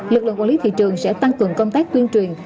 lực lượng quản lý thị trường sẽ tăng cường công tác tuyên truyền